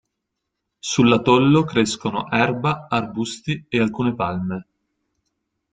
Sull'atollo crescono erba, arbusti e alcune palme.